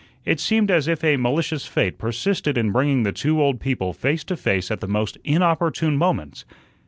It seemed as if a malicious fate persisted in bringing the two old people face to face at the most inopportune moments.